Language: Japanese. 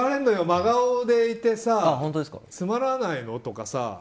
真顔でいてさつまらないの？とかさ。